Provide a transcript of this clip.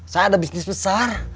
saya ada bisnis besar